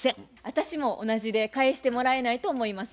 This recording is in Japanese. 私も同じで返してもらえないと思います。